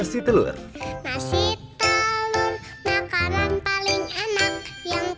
nasi telur makanan paling enak